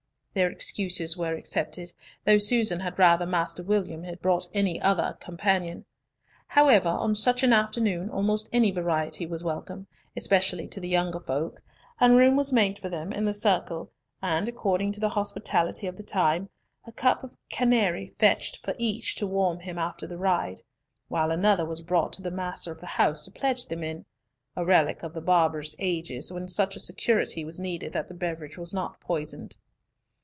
Their excuses were accepted, though Susan had rather Master William had brought any other companion. However, on such an afternoon, almost any variety was welcome, especially to the younger folk, and room was made for them in the circle, and according to the hospitality of the time, a cup of canary fetched for each to warm him after the ride, while another was brought to the master of the house to pledge them in—a relic of the barbarous ages, when such a security was needed that the beverage was not poisoned.